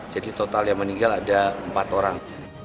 jadi total yang meninggal ada empat orang